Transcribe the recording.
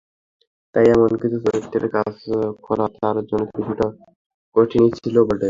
তাই এমন একটি চরিত্রে কাজ করা তাঁর জন্য কিছুটা কঠিনই ছিল বটে।